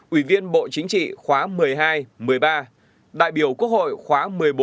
ủy viên bộ chính trị khóa một mươi hai một mươi ba đại biểu quốc hội khóa một mươi bốn một mươi năm